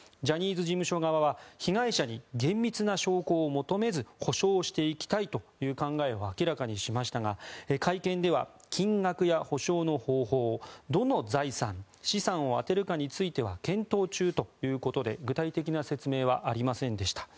ジャニーズ事務所側は被害者に厳密な証拠を求めず補償していきたいという考えを明らかにしましたが会見では金額や補償の方法どの財産、資産を充てるかについては検討中ということで具体的な説明はありませんでした。